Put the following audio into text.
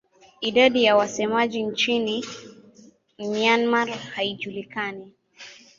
Idadi ya wasemaji nchini Myanmar haijulikani.